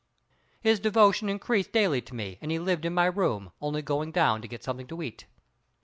His devotion increased daily to me and he lived in my room, only going down to get something to eat.